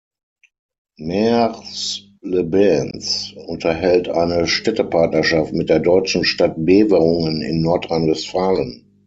Mers-les-Bains unterhält eine Städtepartnerschaft mit der deutschen Stadt Beverungen in Nordrhein-Westfalen.